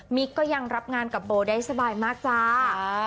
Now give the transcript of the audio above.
ก็ยังรับงานกับโบได้สบายมากจ้า